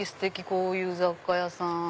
こういう雑貨屋さん。